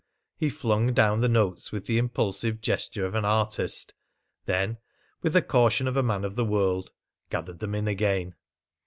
He flung down the notes with the impulsive gesture of an artist; then, with the caution of a man of the world, gathered them in again.